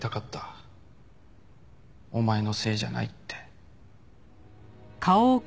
お前のせいじゃないって。